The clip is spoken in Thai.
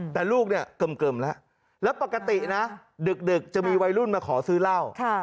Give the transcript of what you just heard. แต่ลูกเนี่ยเกิ่มแล้วแล้วปกตินะดึกจะมีวัยรุ่นมาขอซื้อเหล้า